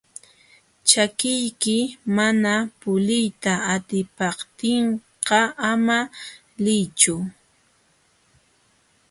Ćhakiyki mana puliyta atipaptinqa ama liychu.